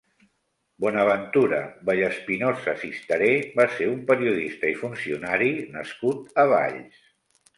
Bonaventura Vallespinosa Sistaré va ser un periodista i funcionari nascut a Valls.